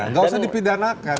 gak usah dipidanakan